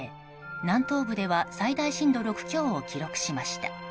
南東部では最大震度６強を記録しました。